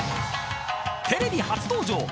［テレビ初登場！